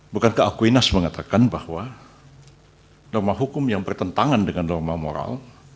bukankah akuinas mengatakan bahwa norma hukum yang bertentangan dengan norma moral